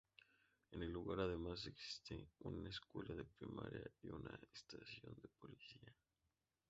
En el lugar además existe una escuela de primaria y una estación de policía.